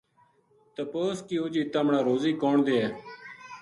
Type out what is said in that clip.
تپوس کیو جی تمنا روزی کون دیے